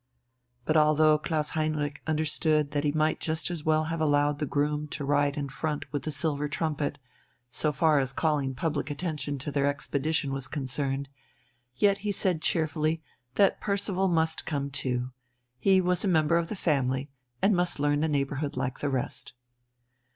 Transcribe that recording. But although Klaus Heinrich understood that he might just as well have allowed the groom to ride in front with the silver trumpet, so far as calling public attention to their expedition was concerned, yet he said cheerfully that Percival must come too; he was a member of the family and must learn the neighbourhood like the rest.